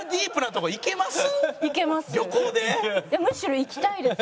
むしろ行きたいです